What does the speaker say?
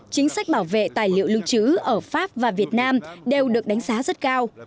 chính sách bảo vệ tài liệu lưu trữ ở pháp và việt nam đều được đánh giá rất cao